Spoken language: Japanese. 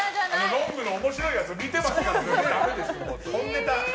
ロングの面白いやつ見てますから。